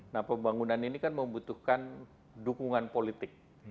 nah pembangunan ini kan membutuhkan dukungan politik